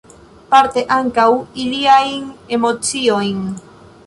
Parte ankaŭ iliajn emociojn.